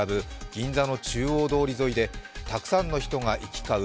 銀座の中央通り沿いでたくさんの人が行き交う